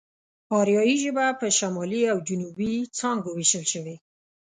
آريايي ژبه په شمالي او جنوبي څانگو وېشل شوې.